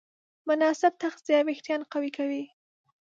مناسب تغذیه وېښتيان قوي کوي.